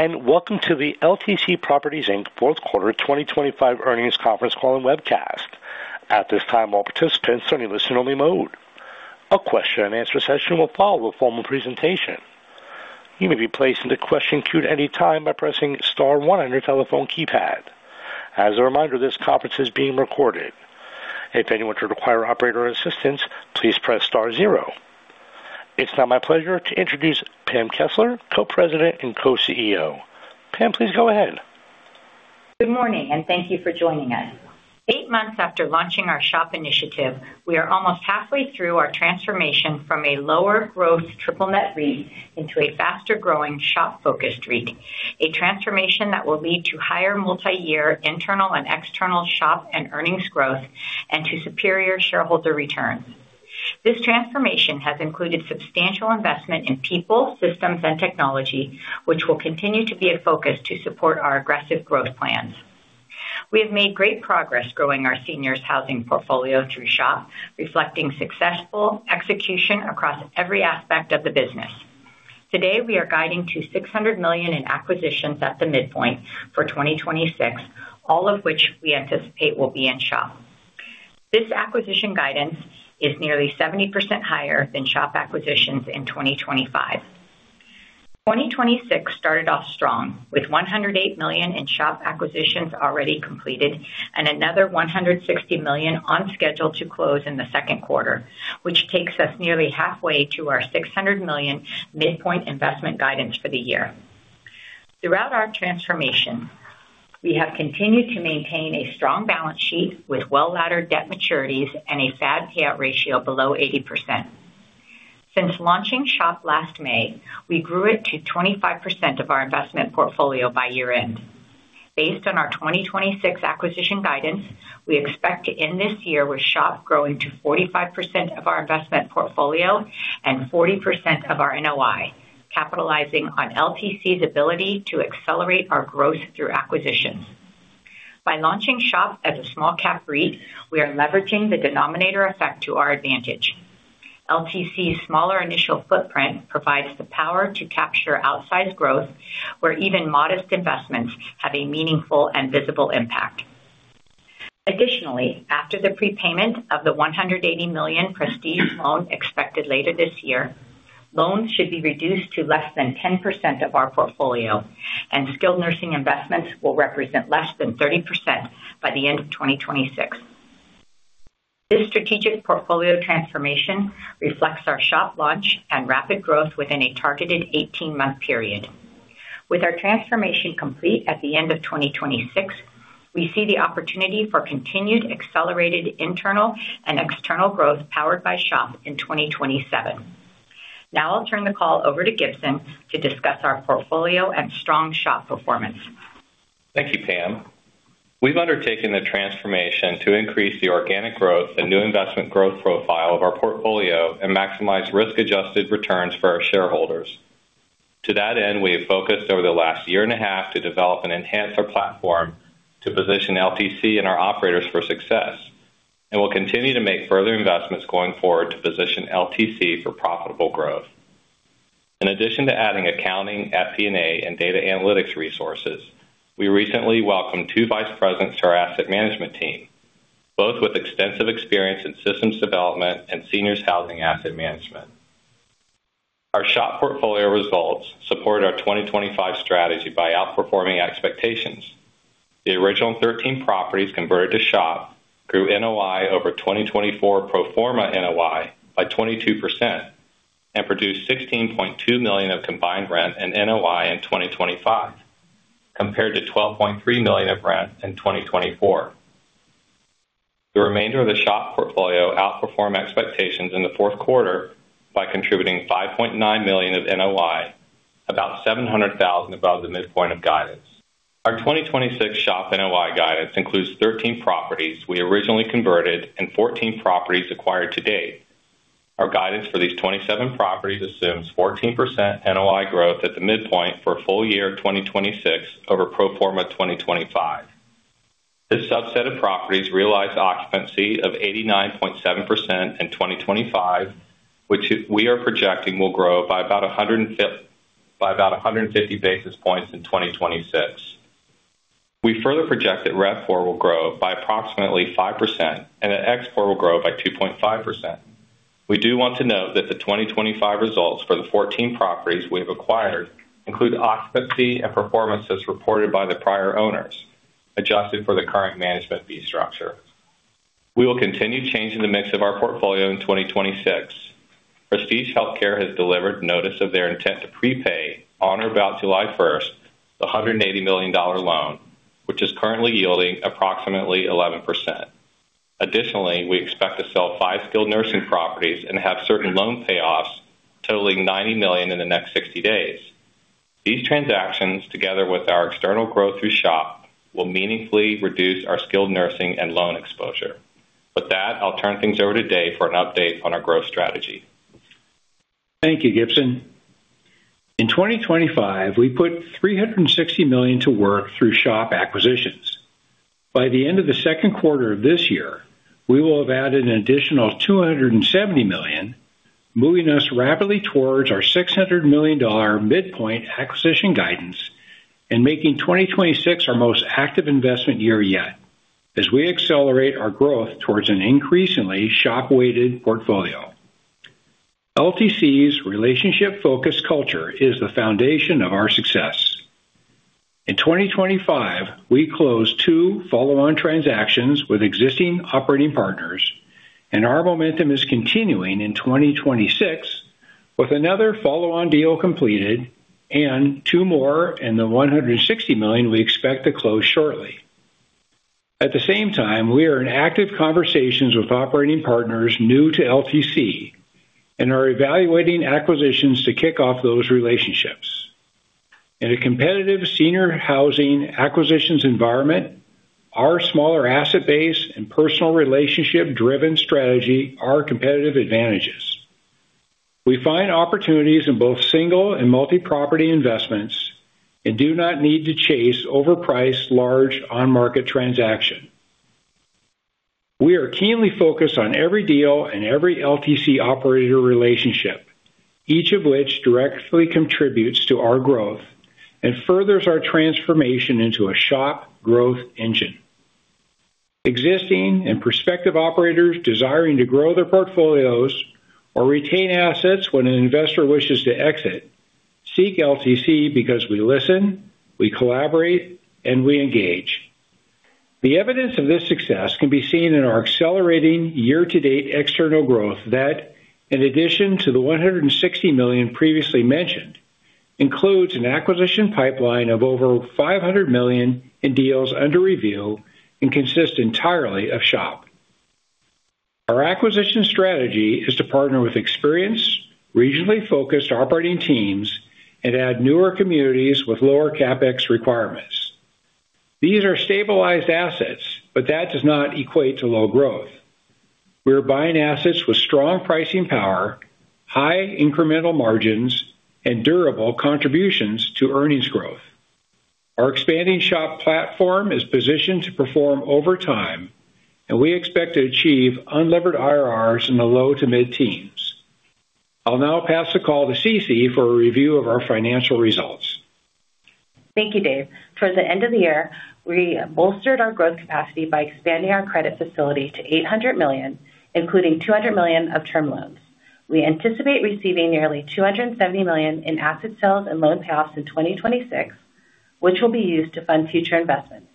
Welcome to the LTC Properties, Inc. fourth quarter 2025 earnings conference call and webcast. At this time, all participants are in listen-only mode. A question and answer session will follow the formal presentation. You may be placed in the question queue at any time by pressing star one on your telephone keypad. As a reminder, this conference is being recorded. If anyone should require operator assistance, please press star zero. It's now my pleasure to introduce Pam Kessler, Co-President and Co-CEO. Pam, please go ahead. Good morning, and thank you for joining us. Eight months after launching our SHOP initiative, we are almost halfway through our transformation from a lower growth triple net REIT into a faster growing, SHOP-focused REIT, a transformation that will lead to higher multi-year internal and external SHOP and earnings growth, to superior shareholder returns. This transformation has included substantial investment in people, systems, and technology, which will continue to be a focus to support our aggressive growth plans. We have made great progress growing our seniors housing portfolio through SHOP, reflecting successful execution across every aspect of the business. Today, we are guiding to $600 million in acquisitions at the midpoint for 2026, all of which we anticipate will be in SHOP. This acquisition guidance is nearly 70% higher than SHOP acquisitions in 2025. 2026 started off strong, with $108 million in SHOP acquisitions already completed and another $160 million on schedule to close in the second quarter, which takes us nearly halfway to our $600 million midpoint investment guidance for the year. Throughout our transformation, we have continued to maintain a strong balance sheet with well-laddered debt maturities and a FAD payout ratio below 80%. Since launching SHOP last May, we grew it to 25% of our investment portfolio by year-end. Based on our 2026 acquisition guidance, we expect to end this year with SHOP growing to 45% of our investment portfolio and 40% of our NOI, capitalizing on LTC's ability to accelerate our growth through acquisitions. By launching SHOP as a small cap REIT, we are leveraging the denominator effect to our advantage. LTC's smaller initial footprint provides the power to capture outsized growth, where even modest investments have a meaningful and visible impact. Additionally, after the prepayment of the $180 million Prestige loan expected later this year, loans should be reduced to less than 10% of our portfolio, and skilled nursing investments will represent less than 30% by the end of 2026. This strategic portfolio transformation reflects our SHOP launch and rapid growth within a targeted 18-month period. With our transformation complete at the end of 2026, we see the opportunity for continued accelerated internal and external growth powered by SHOP in 2027. Now I'll turn the call over to Gibson to discuss our portfolio and strong SHOP performance. Thank you, Pam. We've undertaken the transformation to increase the organic growth and new investment growth profile of our portfolio and maximize risk-adjusted returns for our shareholders. To that end, we have focused over the last year and a half to develop and enhance our platform to position LTC and our operators for success, and we'll continue to make further investments going forward to position LTC for profitable growth. In addition to adding accounting, FP&A, and data analytics resources, we recently welcomed two vice presidents to our asset management team, both with extensive experience in systems development and seniors housing asset management. Our SHOP portfolio results supported our 2025 strategy by outperforming expectations. The original 13 properties converted to SHOP grew NOI over 2024 pro forma NOI by 22% and produced $16.2 million of combined rent and NOI in 2025, compared to $12.3 million of rent in 2024. The remainder of the SHOP portfolio outperformed expectations in the fourth quarter by contributing $5.9 million of NOI, about $700,000 above the midpoint of guidance. Our 2026 SHOP NOI guidance includes 13 properties we originally converted and 14 properties acquired to date. Our guidance for these 27 properties assumes 14% NOI growth at the midpoint for full year 2026 over pro forma 2025. This subset of properties realized occupancy of 89.7% in 2025, which we are projecting will grow by about 150 basis points in 2026. We further project that RevPAR will grow by approximately 5% and that FFO will grow by 2.5%. We do want to note that the 2025 results for the 14 properties we have acquired include occupancy and performance as reported by the prior owners, adjusted for the current management fee structure. We will continue changing the mix of our portfolio in 2026. Prestige Healthcare has delivered notice of their intent to prepay on or about July 1st, the $180 million loan, which is currently yielding approximately 11%. Additionally, we expect to sell 5 skilled nursing properties and have certain loan payoffs totaling $90 million in the next 60 days. These transactions, together with our external growth through SHOP, will meaningfully reduce our skilled nursing and loan exposure. With that, I'll turn things over to Dave for an update on our growth strategy. Thank you, Gibson. In 2025, we put $360 million to work through SHOP acquisitions. By the end of the second quarter of this year, we will have added an additional $270 million, moving us rapidly towards our $600 million midpoint acquisition guidance and making 2026 our most active investment year yet, as we accelerate our growth towards an increasingly SHOP-weighted portfolio. LTC's relationship-focused culture is the foundation of our success. In 2025, we closed two follow-on transactions with existing operating partners. Our momentum is continuing in 2026, with another follow-on deal completed and two more in the $160 million we expect to close shortly. At the same time, we are in active conversations with operating partners new to LTC and are evaluating acquisitions to kick off those relationships. In a competitive senior housing acquisitions environment, our smaller asset base and personal relationship-driven strategy are competitive advantages. We find opportunities in both single and multi-property investments and do not need to chase overpriced, large on-market transaction. We are keenly focused on every deal and every LTC operator relationship, each of which directly contributes to our growth and furthers our transformation into a SHOP growth engine. Existing and prospective operators desiring to grow their portfolios or retain assets when an investor wishes to exit, seek LTC because we listen, we collaborate, and we engage. The evidence of this success can be seen in our accelerating year-to-date external growth that, in addition to the $160 million previously mentioned, includes an acquisition pipeline of over $500 million in deals under review and consists entirely of SHOP. Our acquisition strategy is to partner with experienced, regionally focused operating teams and add newer communities with lower CapEx requirements. These are stabilized assets. That does not equate to low growth. We are buying assets with strong pricing power, high incremental margins, and durable contributions to earnings growth. Our expanding SHOP platform is positioned to perform over time. We expect to achieve unlevered IRRs in the low to mid-teens. I'll now pass the call to Cece for a review of our financial results. Thank you, Dave. Towards the end of the year, we bolstered our growth capacity by expanding our credit facility to $800 million, including $200 million of term loans. We anticipate receiving nearly $270 million in asset sales and loan payoffs in 2026, which will be used to fund future investments.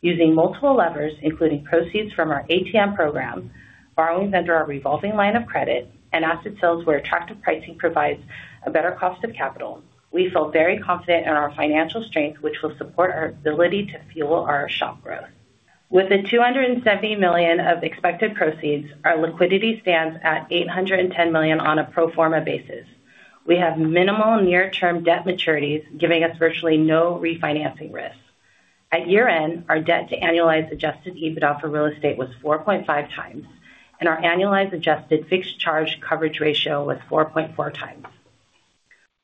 Using multiple levers, including proceeds from our ATM program, borrowings under our revolving line of credit, and asset sales where attractive pricing provides a better cost of capital, we feel very confident in our financial strength, which will support our ability to fuel our SHOP growth. With the $270 million of expected proceeds, our liquidity stands at $810 million on a pro forma basis. We have minimal near-term debt maturities, giving us virtually no refinancing risk. At year-end, our debt to annualized adjusted EBITDA for real estate was 4.5x, and our annualized adjusted Fixed Charge Coverage Ratio was 4.4x.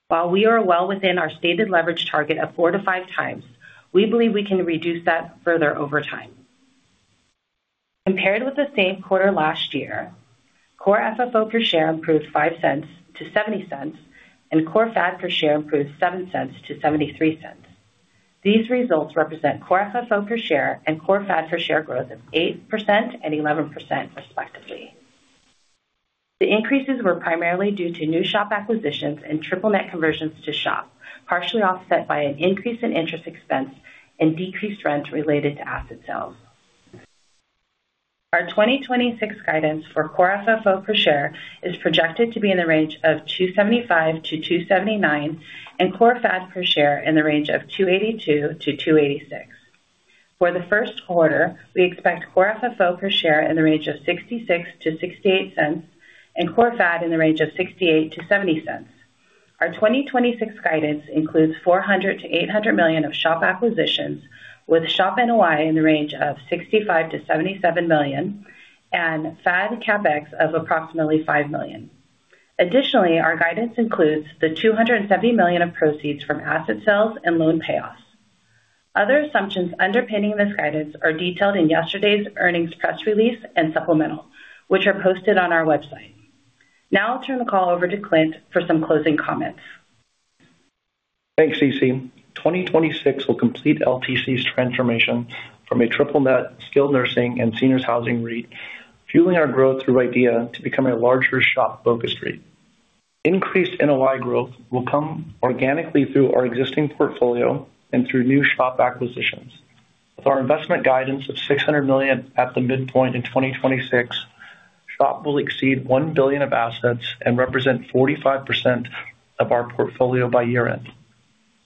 While we are well within our stated leverage target of 4-5x, we believe we can reduce that further over time. Compared with the same quarter last year, Core FFO per share improved $0.05-$0.70, and Core FAD per share improved $0.07-$0.73. These results represent Core FFO per share and Core FAD per share growth of 8% and 11%, respectively. The increases were primarily due to new SHOP acquisitions and triple net conversions to SHOP, partially offset by an increase in interest expense and decreased rent related to asset sales. Our 2026 guidance for Core FFO per share is projected to be in the range of $2.75-$2.79, and Core FAD per share in the range of $2.82-$2.86. For the first quarter, we expect Core FFO per share in the range of $0.66-$0.68 and Core FAD in the range of $0.68-$0.70. Our 2026 guidance includes $400 million-$800 million of SHOP acquisitions, with SHOP NOI in the range of $65 million-$77 million and FAD CapEx of approximately $5 million. Our guidance includes the $270 million of proceeds from asset sales and loan payoffs. Other assumptions underpinning this guidance are detailed in yesterday's earnings press release and supplemental, which are posted on our website. I'll turn the call over to Clint for some closing comments. Thanks, Cece. 2026 will complete LTC's transformation from a triple net skilled nursing and seniors housing REIT, fueling our growth through RIDEA to become a larger SHOP-focused REIT. Increased NOI growth will come organically through our existing portfolio and through new SHOP acquisitions. With our investment guidance of $600 million at the midpoint in 2026, SHOP will exceed $1 billion of assets and represent 45% of our portfolio by year-end.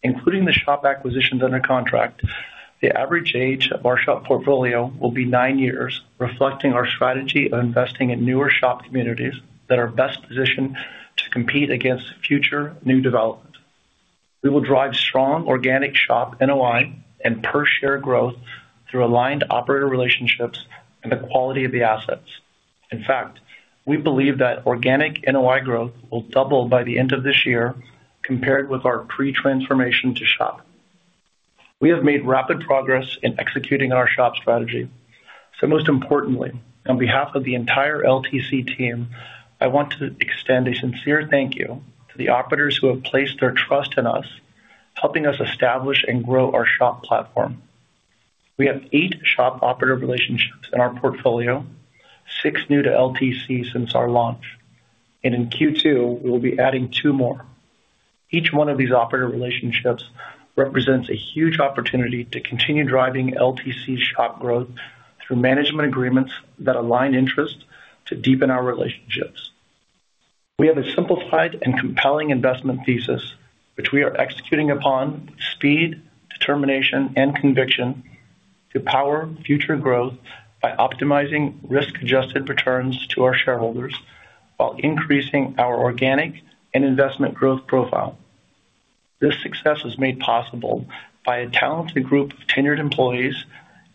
Including the SHOP acquisitions under contract, the average age of our SHOP portfolio will be nine years, reflecting our strategy of investing in newer SHOP communities that are best positioned to compete against future new development. We will drive strong organic SHOP NOI and per share growth through aligned operator relationships and the quality of the assets. In fact, we believe that organic NOI growth will double by the end of this year compared with our pre-transformation to SHOP. Most importantly, on behalf of the entire LTC team, I want to extend a sincere thank you to the operators who have placed their trust in us, helping us establish and grow our SHOP platform. We have eight SHOP operator relationships in our portfolio, six new to LTC since our launch, and in Q2, we will be adding two more. Each one of these operator relationships represents a huge opportunity to continue driving LTC SHOP growth through management agreements that align interests to deepen our relationships. We have a simplified and compelling investment thesis, which we are executing upon speed, determination, and conviction to power future growth by optimizing risk-adjusted returns to our shareholders while increasing our organic and investment growth profile. This success is made possible by a talented group of tenured employees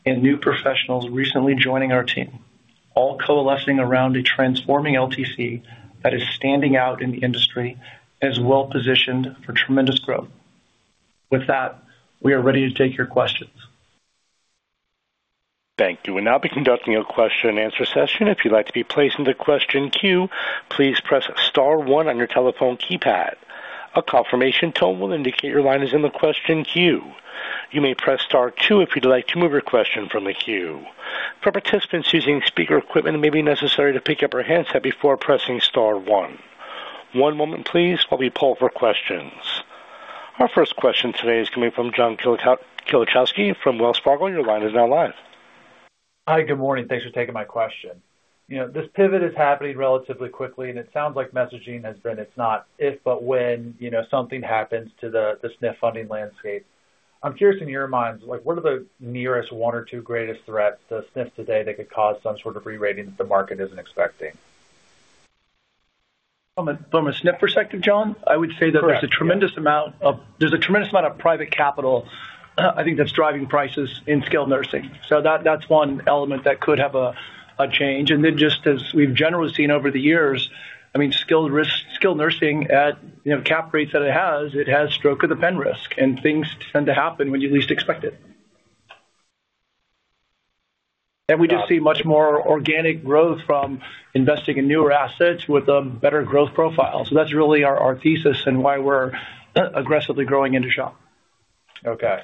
and new professionals recently joining our team, all coalescing around a transforming LTC that is standing out in the industry and is well positioned for tremendous growth. We are ready to take your questions. Thank you. We'll now be conducting a question-and-answer session. If you'd like to be placed in the question queue, please press star one on your telephone keypad. A confirmation tone will indicate your line is in the question queue. You may press star two if you'd like to move your question from the queue. For participants using speaker equipment, it may be necessary to pick up your handset before pressing star one. One moment, please, while we poll for questions. Our first question today is coming from John Kilichowski from Wells Fargo. Your line is now live. Hi, good morning. Thanks for taking my question. You know, this pivot is happening relatively quickly, and it sounds like messaging has been, it's not if, but when, you know, something happens to the SNF funding landscape. I'm curious, in your minds, like, what are the nearest one or two greatest threats to SNFs today that could cause some sort of rerating that the market isn't expecting? From a SNF perspective, John, I would say. Correct. There's a tremendous amount of private capital, I think, that's driving prices in skilled nursing, so that's one element that could have a change. Just as we've generally seen over the years, I mean, skilled nursing at, you know, cap rates that it has, it has stroke-of-the-pen risk, and things tend to happen when you least expect it. We just see much more organic growth from investing in newer assets with better growth profiles. That's really our thesis and why we're aggressively growing into SHOP. Okay.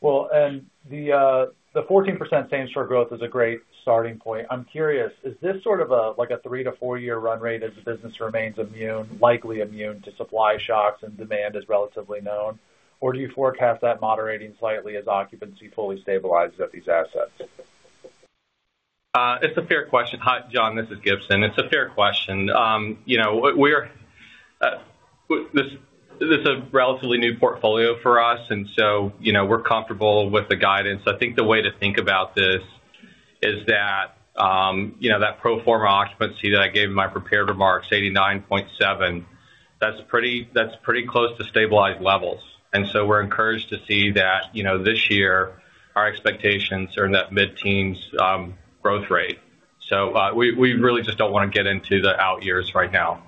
Well, the 14% same-store growth is a great starting point. I'm curious, is this sort of a, like, a 3-4 year run rate as the business remains immune, likely immune to supply shocks and demand is relatively known? Or do you forecast that moderating slightly as occupancy fully stabilizes at these assets? It's a fair question. Hi, John, this is Gibson. It's a fair question. you know, we're, this is a relatively new portfolio for us, and so, you know, we're comfortable with the guidance. I think the way to think about this is that, you know, that pro forma occupancy that I gave in my prepared remarks, 89.7, that's pretty close to stabilized levels. We're encouraged to see that, you know, this year, our expectations are in that mid-teens, growth rate. We really just don't want to get into the out years right now.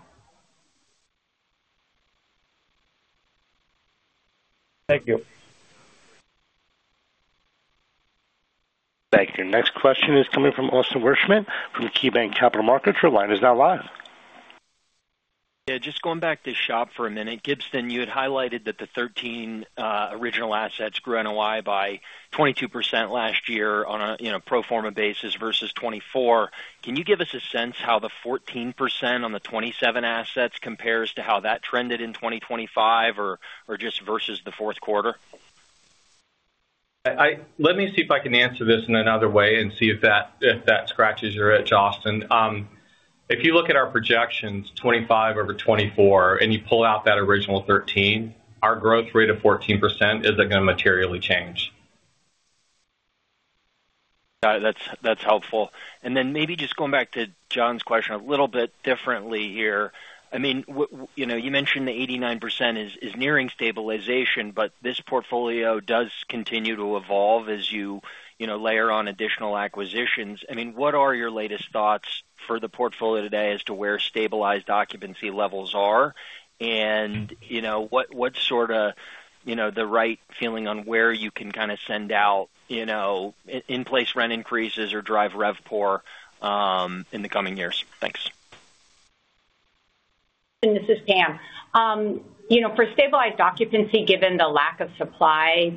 Thank you. Thank you. Next question is coming from Austin Wurschmidt from KeyBanc Capital Markets. Your line is now live. Yeah, just going back to SHOP for a minute. Gibson, you had highlighted that the 13 original assets grew NOI by 22% last year on a, you know, pro forma basis versus 24. Can you give us a sense how the 14% on the 27 assets compares to how that trended in 2025 or just versus the fourth quarter? I Let me see if I can answer this in another way and see if that, if that scratches your itch, Austin Wurschmidt. If you look at our projections, 25 over 24, and you pull out that original 13, our growth rate of 14% isn't gonna materially change. That's helpful. Then maybe just going back to John's question a little bit differently here. I mean, you know, you mentioned the 89% is nearing stabilization, but this portfolio does continue to evolve as you know, layer on additional acquisitions. I mean, what are your latest thoughts for the portfolio today as to where stabilized occupancy levels are? You know, what sort of, you know, the right feeling on where you can kind of send out, you know, in place rent increases or drive RevPOR in the coming years? Thanks. This is Pam. You know, for stabilized occupancy, given the lack of supply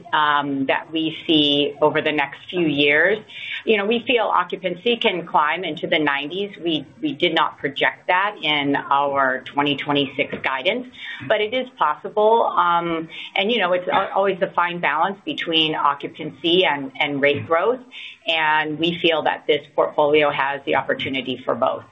that we see over the next few years, you know, we feel occupancy can climb into the 90s. We did not project that in our 2026 guidance, but it is possible. And, you know, it's always a fine balance between occupancy and rate growth, and we feel that this portfolio has the opportunity for both.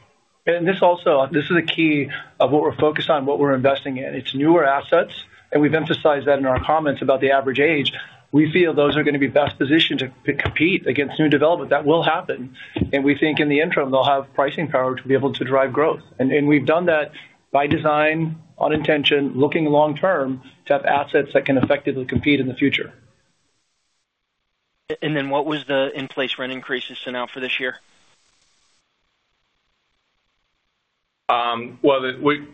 This also, this is a key of what we're focused on, what we're investing in. It's newer assets, and we've emphasized that in our comments about the average age. We feel those are going to be best positioned to compete against new development. That will happen, and we think in the interim, they'll have pricing power to be able to drive growth. We've done that by design, on intention, looking long term, to have assets that can effectively compete in the future. What was the in-place rent increases to now for this year? Well,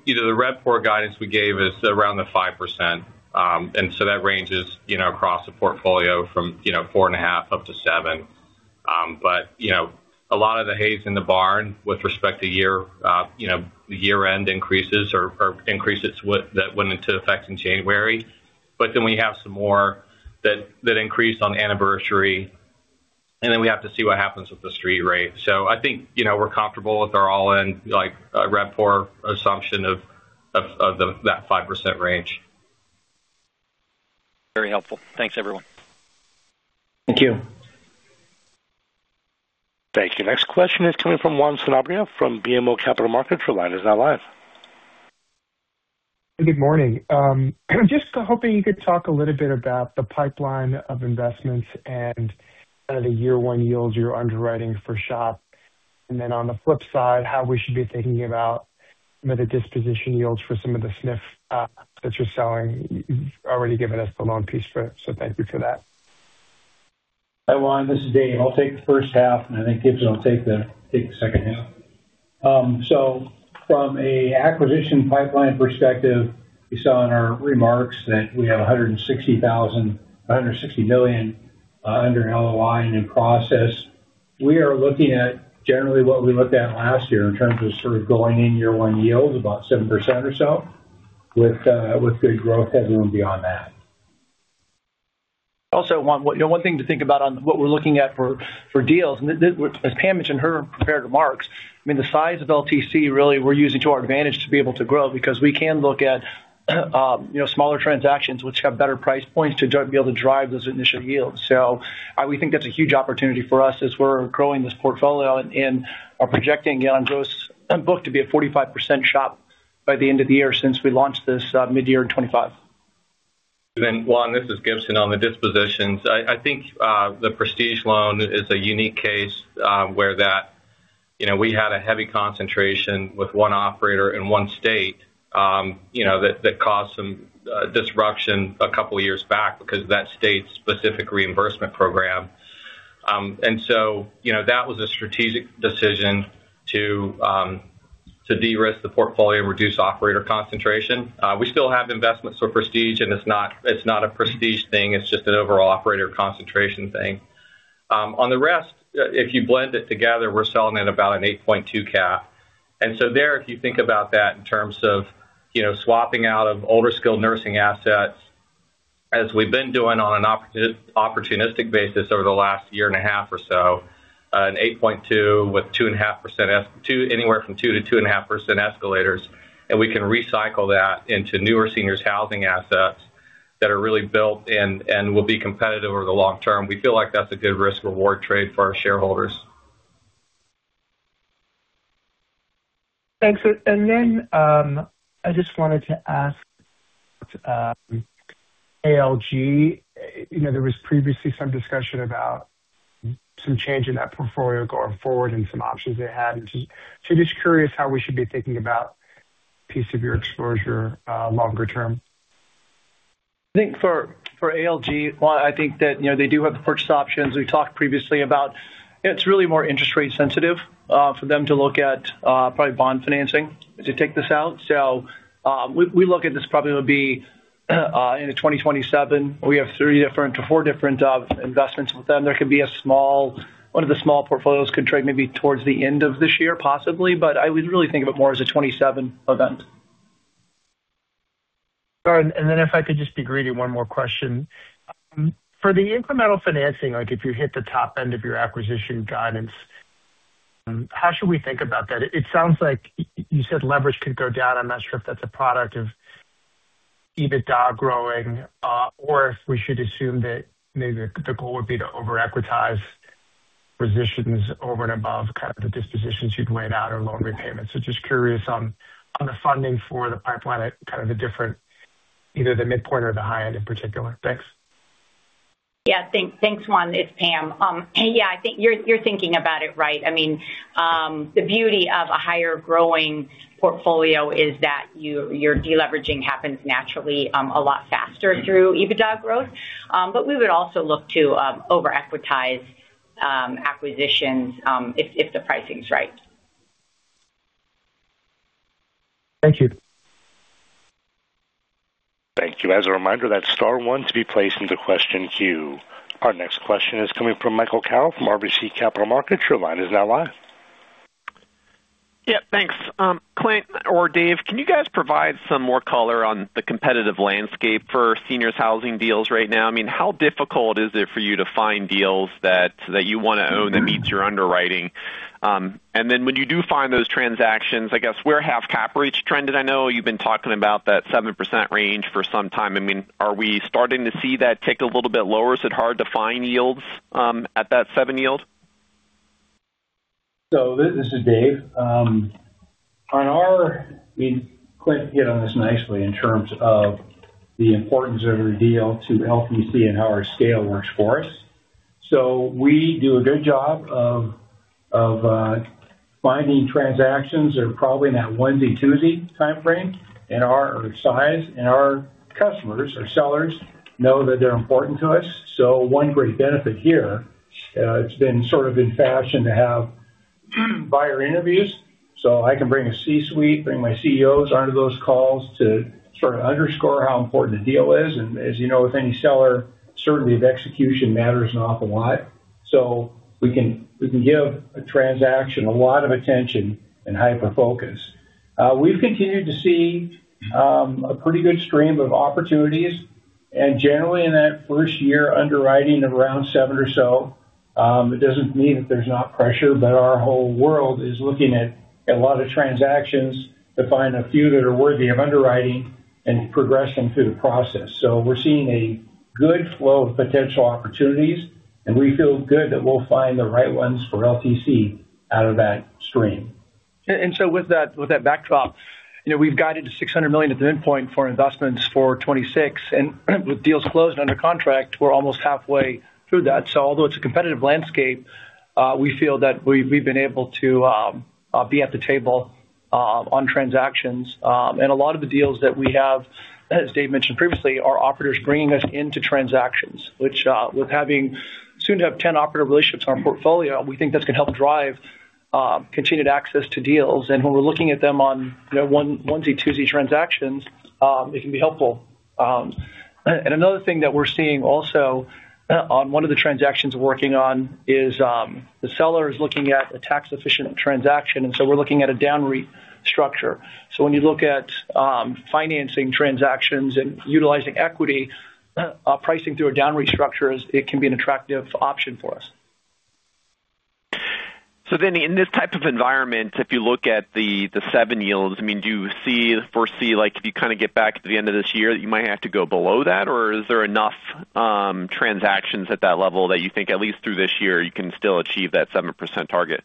either the RevPOR guidance we gave is around the 5%. That ranges, you know, across the portfolio from, you know, 4.5 up to 7. But, you know, a lot of the hay is in the barn with respect to year, you know, the year-end increases or increases that went into effect in January. We have some more that increase on anniversary, and then we have to see what happens with the street rate. I think, you know, we're comfortable with our all-in, like, a RevPOR assumption of that 5% range. Very helpful. Thanks, everyone. Thank you. Thank you. Next question is coming from Juan Sanabria from BMO Capital Markets. Your line is now live. Good morning. Just hoping you could talk a little bit about the pipeline of investments and kind of the year one yields you're underwriting for SHOP. On the flip side, how we should be thinking about the disposition yields for some of the SNF that you're selling. You've already given us the loan piece for it, so thank you for that. Hi, Juan, this is Dave. I'll take the first half, and I think Gibson will take the second half. From a acquisition pipeline perspective, we saw in our remarks that we have $160 million under LOI and in process. We are looking at generally what we looked at last year in terms of sort of going in year one yields, about 7% or so, with good growth headroom beyond that. Also, Juan, one, you know, one thing to think about on what we're looking at for deals, as Pam mentioned in her prepared remarks, I mean, the size of LTC, really, we're using to our advantage to be able to grow because we can look at, you know, smaller transactions, which have better price points, to be able to drive those initial yields. We think that's a huge opportunity for us as we're growing this portfolio and are projecting on gross book to be at 45% SHOP by the end of the year since we launched this midyear in 2025. Juan, this is Gibson on the dispositions. I think the Prestige loan is a unique case where that, you know, we had a heavy concentration with one operator in one state, you know, that caused some disruption a couple years back because of that state's specific reimbursement program. You know, that was a strategic decision to de-risk the portfolio and reduce operator concentration. We still have investments with Prestige, and it's not a Prestige thing, it's just an overall operator concentration thing. On the rest, if you blend it together, we're selling at about an 8.2 cap. There, if you think about that in terms of, you know, swapping out of older skilled nursing assets, as we've been doing on an opportunistic basis over the last year and a half or so, an 8.2% with anywhere from 2%-2.5% escalators, and we can recycle that into newer seniors housing assets that are really built and will be competitive over the long term. We feel like that's a good risk-reward trade for our shareholders. Thanks. Then, I just wanted to ask, ALG, you know, there was previously some discussion about some change in that portfolio going forward and some options they had. Just curious how we should be thinking about piece of your exposure, longer term? I think for ALG, well, I think that, you know, they do have the purchase options we talked previously about. It's really more interest rate sensitive for them to look at probably bond financing to take this out. We look at this probably would be into 2027. We have 3 different to 4 different investments with them. There could be one of the small portfolios could trade maybe towards the end of this year, possibly, but I would really think of it more as a 2027 event. All right. If I could just be greedy, one more question. For the incremental financing, like if you hit the top end of your acquisition guidance, how should we think about that? It sounds like you said leverage could go down. I'm not sure if that's a product of EBITDA growing, or if we should assume that maybe the goal would be to over-equitize positions over and above kind of the dispositions you'd laid out or loan repayments. Just curious on the funding for the pipeline at kind of the different, either the midpoint or the high end in particular. Thanks. Thanks, Juan. It's Pam. I think you're thinking about it right. I mean, the beauty of a higher growing portfolio is that your deleveraging happens naturally, a lot faster through EBITDA growth. We would also look to over-equitize acquisitions if the pricing's right. Thank you. Thank you. As a reminder, that's star one to be placed into question queue. Our next question is coming from Michael Carroll from RBC Capital Markets. Your line is now live. Thanks. Clint or Dave, can you guys provide some more color on the competitive landscape for seniors housing deals right now? I mean, how difficult is it for you to find deals that you wanna own, that meets your underwriting? When you do find those transactions, I guess, where have cap rates trended? I know you've been talking about that 7% range for some time. I mean, are we starting to see that tick a little bit lower? Is it hard to find yields at that 7 yield? This is Dave. Clint, hit on this nicely in terms of the importance of a deal to LTC and how our scale works for us. We do a good job of finding transactions are probably in that onesie, twosie timeframe and our size and our customers or sellers know that they're important to us. One great benefit here. It's been sort of in fashion to have buyer interviews, so I can bring a C-suite, bring my CEOs onto those calls to sort of underscore how important the deal is. As you know, with any seller, certainty of execution matters an awful lot. We can give a transaction a lot of attention and hyperfocus. We've continued to see a pretty good stream of opportunities, and generally in that first year, underwriting of around seven or so. It doesn't mean that there's not pressure, our whole world is looking at a lot of transactions to find a few that are worthy of underwriting and progressing through the process. We're seeing a good flow of potential opportunities, and we feel good that we'll find the right ones for LTC out of that stream. With that, with that backdrop, you know, we've guided to $600 million at the midpoint for investments for 2026, and with deals closed under contract, we're almost halfway through that. Although it's a competitive landscape, we feel that we've been able to be at the table on transactions. A lot of the deals that we have, as Dave mentioned previously, are operators bringing us into transactions, which with having soon to have 10 operative relationships in our portfolio, we think that's gonna help drive continued access to deals. When we're looking at them on, you know, onesie, twosie transactions, it can be helpful. Another thing that we're seeing also, on one of the transactions we're working on is, the seller is looking at a tax-efficient transaction, we're looking at a DownREIT structure. When you look at financing transactions and utilizing equity pricing through a DownREIT structure, it can be an attractive option for us. In this type of environment, if you look at the 7 yields, I mean, do you foresee, like, if you kind of get back to the end of this year, that you might have to go below that? Is there enough transactions at that level that you think at least through this year, you can still achieve that 7% target?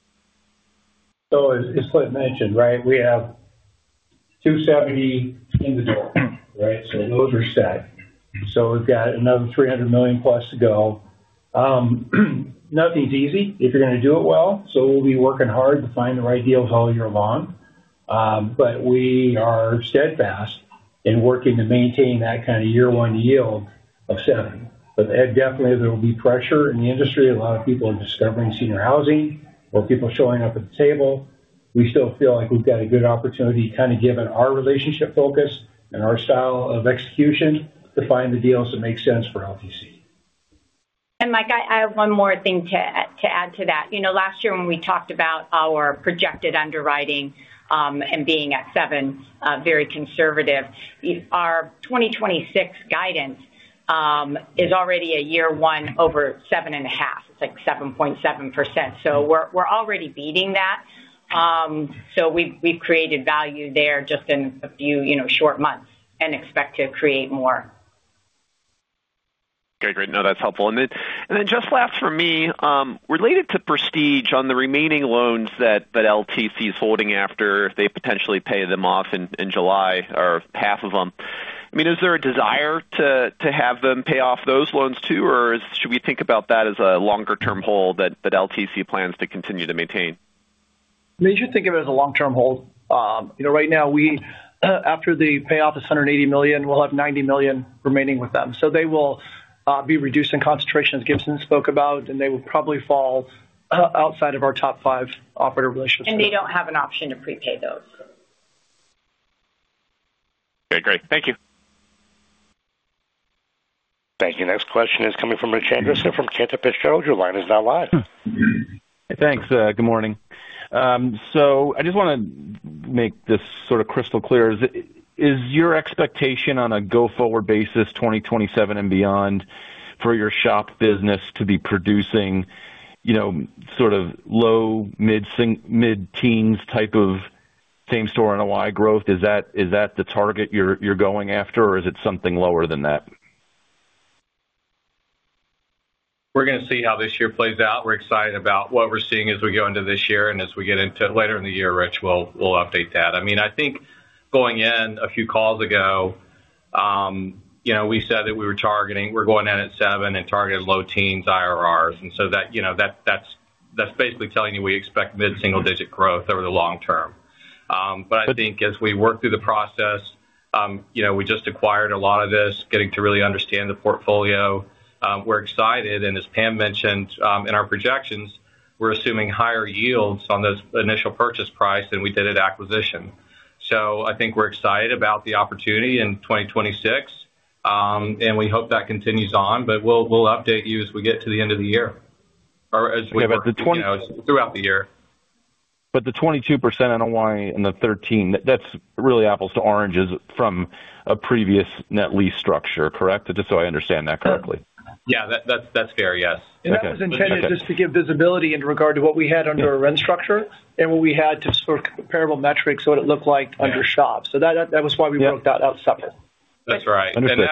As Clint mentioned, right, we have $270 in the door, right? Those are set. We've got another $300 million to go. Nothing's easy if you're gonna do it well, so we'll be working hard to find the right deals all year long. We are steadfast in working to maintain that kind of year-one yield of seven. Ed, definitely there will be pressure in the industry. A lot of people are discovering senior housing or people showing up at the table. We still feel like we've got a good opportunity, kind of, given our relationship focus and our style of execution, to find the deals that make sense for LTC. Mike, I have one more thing to add to that. You know, last year, when we talked about our projected underwriting, and being at 7, very conservative, our 2026 guidance is already a year 1 over 7.5%. It's like 7.7%. We're already beating that. We've created value there just in a few, you know, short months, and expect to create more. Okay, great. No, that's helpful. Just last for me, related to Prestige on the remaining loans that LTC is holding, after they potentially pay them off in July or half of them, I mean, is there a desire to have them pay off those loans, too, or should we think about that as a longer-term hold that LTC plans to continue to maintain? You should think of it as a long-term hold. You know, right now, we, after the payoff of $180 million, we'll have $90 million remaining with them. They will be reducing concentration, as Gibson spoke about, and they will probably fall outside of our top five operator relationships. They don't have an option to prepay those. Okay, great. Thank you. Thank you. Next question is coming from Richard Anderson from Cantor Fitzgerald. Your line is now live. Thanks, good morning. I just wanna make this sort of crystal clear. Is your expectation on a go-forward basis, 2027 and beyond, for your SHOP business to be producing, you know, sort of low, mid-teens type of same-store NOI growth? Is that the target you're going after, or is it something lower than that? We're gonna see how this year plays out. We're excited about what we're seeing as we go into this year and as we get into later in the year, Rich, we'll update that. I mean, I think going in a few calls ago, you know, we said that we were going in at 7 and targeted low teens IRRs. That, you know, that's basically telling you, we expect mid-single-digit growth over the long term. I think as we work through the process, you know, we just acquired a lot of this, getting to really understand the portfolio. We're excited, and as Pam mentioned, in our projections, we're assuming higher yields on this initial purchase price than we did at acquisition. I think we're excited about the opportunity in 2026, and we hope that continues on, but we'll update you as we get to the end of the year or. Yeah, the twenty- Throughout the year. The 22% NOI and the 13%, that's really apples to oranges from a previous net lease structure, correct? Just so I understand that correctly. Yeah, that's fair. Yes. That was intended just to give visibility into regard to what we had under a rent structure and what we had just for comparable metrics, what it looked like under SHOP. That was why we broke that out separate. That's right. Understood.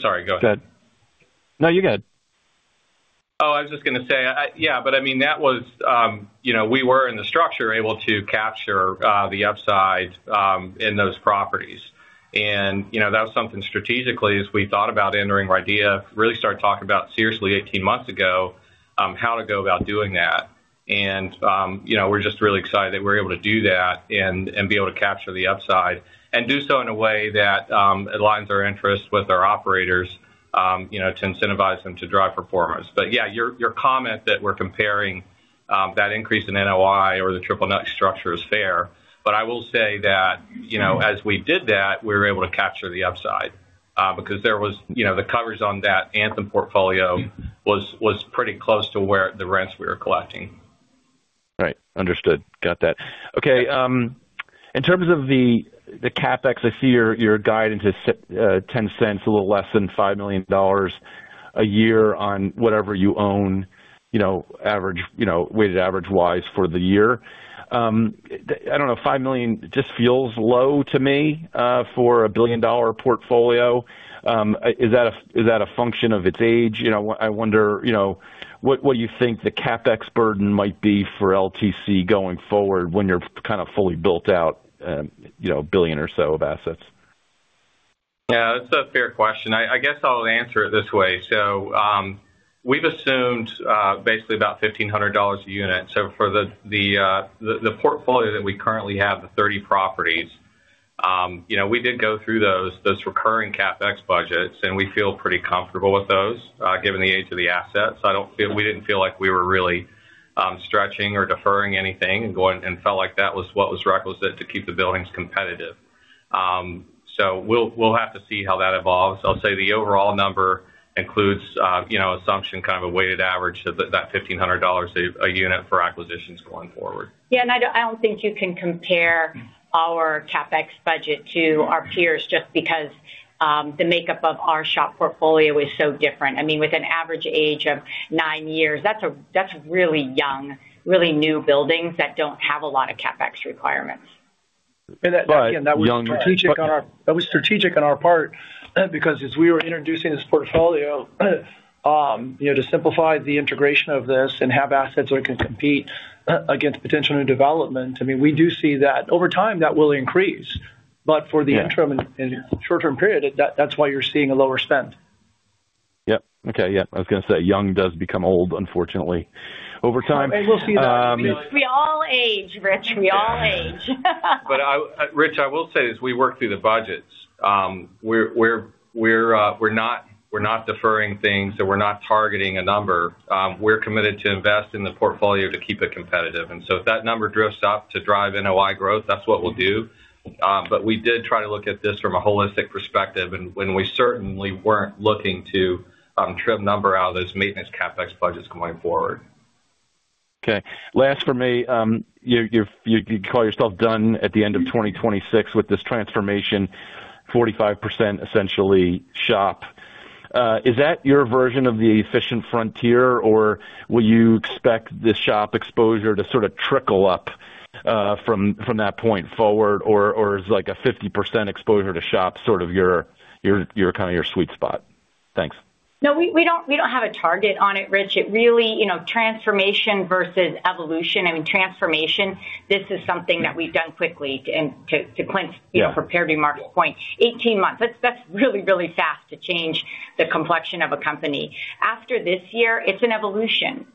Sorry, go ahead. Go ahead. No, you're good. I was just gonna say, yeah, but I mean, that was, you know, we were in the structure, able to capture the upside in those properties. ...you know, that was something strategically, as we thought about entering RIDEA, really started talking about seriously 18 months ago, how to go about doing that. You know, we're just really excited that we're able to do that and be able to capture the upside, and do so in a way that aligns our interests with our operators, you know, to incentivize them to drive performance. Yeah, your comment that we're comparing that increase in NOI or the triple net structure is fair. I will say that, you know, as we did that, we were able to capture the upside, because the coverage on that Anthem portfolio was pretty close to where the rents we were collecting. Right. Understood. Got that. Okay, in terms of the CapEx, I see your guidance is, $0.10, a little less than $5 million a year on whatever you own, you know, average, you know, weighted average-wise for the year. I don't know, $5 million just feels low to me, for a billion-dollar portfolio. Is that a, is that a function of its age? You know, I wonder, you know, what you think the CapEx burden might be for LTC going forward when you're kind of fully built out and, you know, $1 billion or so of assets? Yeah, that's a fair question. I guess I'll answer it this way: we've assumed basically about $1,500 a unit. For the portfolio that we currently have, the 30 properties, you know, we did go through those recurring CapEx budgets, and we feel pretty comfortable with those given the age of the assets. We didn't feel like we were really stretching or deferring anything and going, and felt like that was what was requisite to keep the buildings competitive. We'll have to see how that evolves. I'll say the overall number includes, you know, assumption, kind of a weighted average, so that $1,500 a unit for acquisitions going forward. I don't think you can compare our CapEx budget to our peers just because the makeup of our SHOP portfolio is so different. I mean, with an average age of nine years, that's really young, really new buildings that don't have a lot of CapEx requirements. Right. That, again, that was strategic on our part, because as we were introducing this portfolio, you know, to simplify the integration of this and have assets that can compete against potential new development, I mean, we do see that over time, that will increase. Yeah. For the interim and short-term period, that's why you're seeing a lower spend. Yep. Okay. Yeah, I was gonna say, young does become old, unfortunately, over time. We'll see. We all age, Rich. We all age. Rich, I will say, as we work through the budgets, we're not deferring things, so we're not targeting a number. We're committed to invest in the portfolio to keep it competitive. If that number drifts up to drive NOI growth, that's what we'll do. We did try to look at this from a holistic perspective, and we certainly weren't looking to trim number out of those maintenance CapEx budgets going forward. Last for me. You call yourself done at the end of 2026 with this transformation, 45%, essentially, SHOP. Is that your version of the efficient frontier, or will you expect this SHOP exposure to sort of trickle up from that point forward? Or is like a 50% exposure to SHOP sort of your kind of your sweet spot? Thanks. No, we don't have a target on it, Rich. It really, you know, transformation versus evolution. I mean, transformation, this is something that we've done quickly, and to Clint's. Yeah... you know, prepared remark point, 18 months. That's really, really fast to change the complexion of a company. After this year, it's an evolution.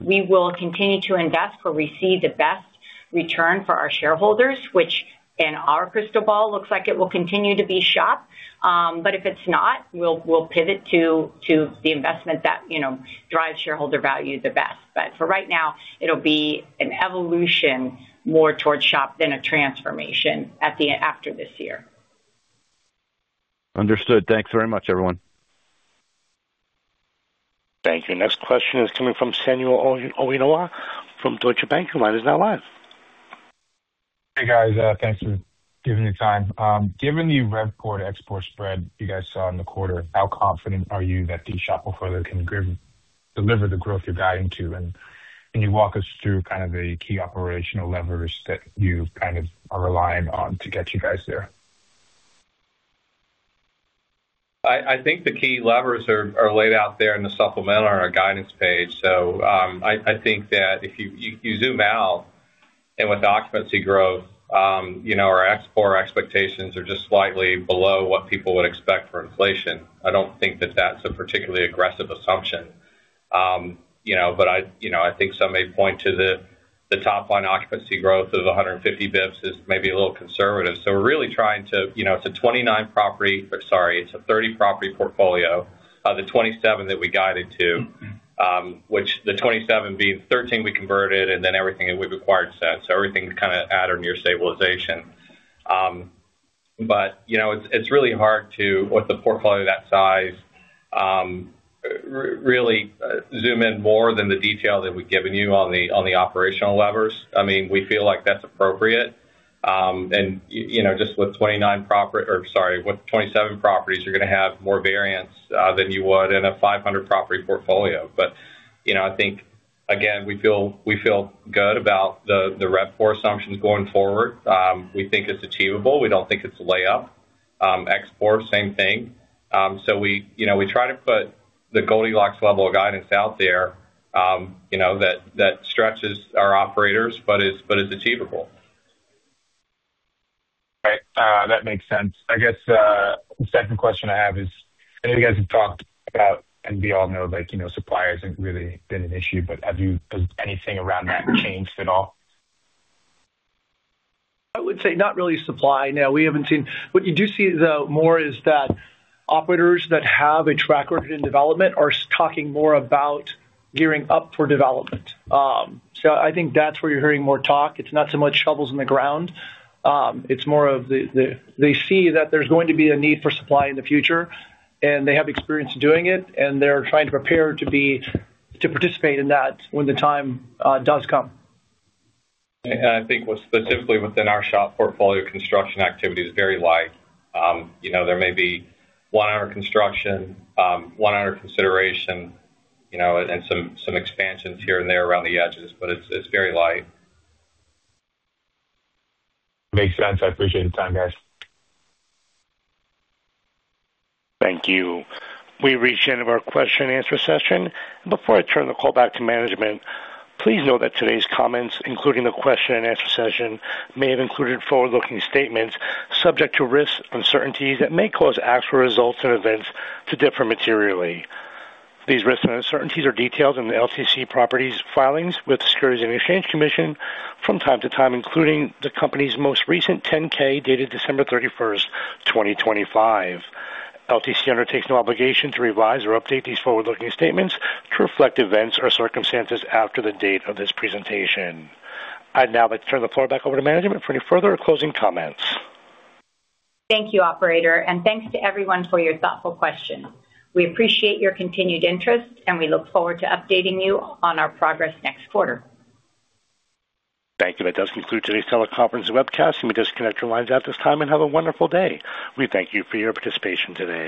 We will continue to invest where we see the best return for our shareholders, which in our crystal ball, looks like it will continue to be SHOP. But if it's not, we'll pivot to the investment that, you know, drives shareholder value the best. But for right now, it'll be an evolution more towards SHOP than a transformation after this year. Understood. Thanks very much, everyone. Thank you. Next question is coming from Omotayo Okusanya from Deutsche Bank, your line is now live. Hey, guys, thanks for giving me time. Given the RevPOR export spread you guys saw in the quarter, how confident are you that the SHOP portfolio can deliver the growth you're guiding to? Can you walk us through kind of the key operational levers that you kind of are relying on to get you guys there? I think the key levers are laid out there in the supplemental on our guidance page. I think that if you zoom out and with occupancy growth, you know, our export expectations are just slightly below what people would expect for inflation. I don't think that that's a particularly aggressive assumption. You know, I think some may point to the top-line occupancy growth of 150 basis points is maybe a little conservative. We're really trying to, you know, it's a 30-property portfolio, the 27 that we guided to, which the 27 being 13 we converted and then everything that we've acquired since. Everything's kind of at or near stabilization. You know, it's really hard to, with a portfolio that size, really zoom in more than the detail that we've given you on the, on the operational levers. I mean, we feel like that's appropriate. You know, just with 29 or sorry, with 27 properties, you're gonna have more variance than you would in a 500-property portfolio. You know, I think, again, we feel good about the RevPOR assumptions going forward. We think it's achievable. We don't think it's a layup.... export, same thing. We, you know, we try to put the Goldilocks level of guidance out there, you know, that stretches our operators but is achievable. Right. That makes sense. I guess, the second question I have is, I know you guys have talked about, and we all know, like, you know, supply hasn't really been an issue, but has anything around that changed at all? I would say not really supply. No, we haven't seen... What you do see, though, more is that operators that have a track record in development are talking more about gearing up for development. I think that's where you're hearing more talk. It's not so much shovels in the ground. It's more of they see that there's going to be a need for supply in the future, and they have experience doing it, and they're trying to prepare to be, to participate in that when the time does come. I think what specifically within our SHOP portfolio, construction activity is very light. You know, there may be one under construction, one under consideration, you know, and some expansions here and there around the edges, but it's very light. Makes sense. I appreciate the time, guys. Thank you. We've reached the end of our question and answer session. Before I turn the call back to management, please note that today's comments, including the question and answer session, may have included forward-looking statements subject to risks and uncertainties that may cause actual results and events to differ materially. These risks and uncertainties are detailed in the LTC Properties filings with the Securities and Exchange Commission from time to time, including the company's most recent Form 10-K, dated December 31st, 2025. LTC undertakes no obligation to revise or update these forward-looking statements to reflect events or circumstances after the date of this presentation. I'd now like to turn the floor back over to management for any further closing comments. Thank you, operator, and thanks to everyone for your thoughtful questions. We appreciate your continued interest, and we look forward to updating you on our progress next quarter. Thank you. That does conclude today's teleconference and webcast. You may disconnect your lines at this time, and have a wonderful day. We thank you for your participation today.